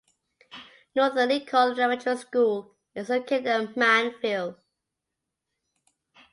Northern Lincoln Elementary School is located in Manville.